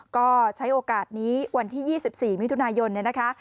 ก็ใช้โอกาสนี้วันที่๒๔มิยนะคะ